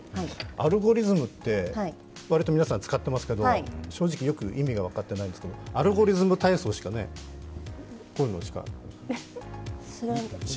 アルゴリズムって、割と皆さん、使ってますけど正直、よく意味が分かっていないんですけどアルゴリズム体操しかね、こういうのですか？